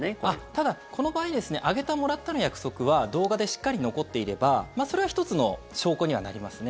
ただ、この場合あげた、もらったの約束は動画でしっかり残っていればそれは１つの証拠にはなります。